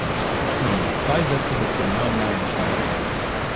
Nur noch zwei Sätze bis zum neuen Meilenstein.